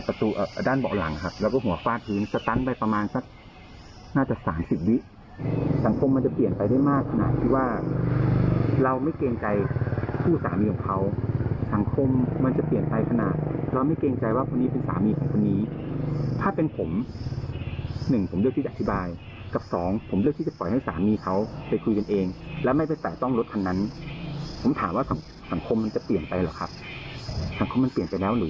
ด้านเบาะหลังครับแล้วก็หัวฟาดพื้นสตันไปประมาณสักน่าจะสามสิบวิสังคมมันจะเปลี่ยนไปได้มากขนาดที่ว่าเราไม่เกรงใจคู่สามีของเขาสังคมมันจะเปลี่ยนไปขนาดเราไม่เกรงใจว่าคนนี้เป็นสามีของคนนี้ถ้าเป็นผมหนึ่งผมเลือกที่จะอธิบายกับสองผมเลือกที่จะปล่อยให้สามีเขาไปคุยกันเองแล้วไม่ไปแตะต้องรถคันนั้นผมถามว่าสังคมมันจะเปลี่ยนไปหรอกครับสังคมมันเปลี่ยนไปแล้วหรือ